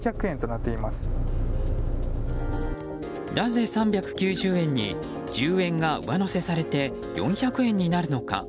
なぜ３９０円に１０円が上乗せされて４００円になるのか。